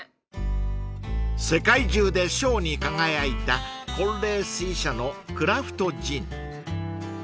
［世界中で賞に輝いたコッレースィ社のクラフトジン］